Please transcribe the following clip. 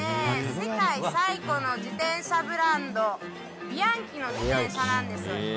世界最古の自転車ブランドＢｉａｎｃｈｉの自転車なんです。